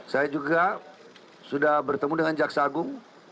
saya juga sudah bertemu dengan jaksagung